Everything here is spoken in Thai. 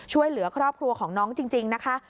ช่วยเหลือครอบครัวของน้องจริงนะคะ